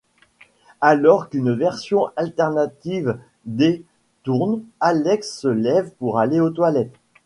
Alors qu'une version alternative d’' tourne, Alex se lève pour aller aux toilettes.